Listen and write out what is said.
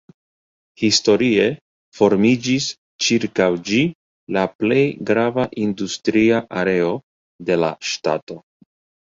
Historie formiĝis ĉirkaŭ ĝi la plej grava industria areo de la ŝtato.